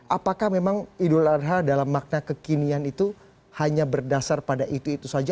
apakah memang idul adha dalam makna kekinian itu hanya berdasar pada itu itu saja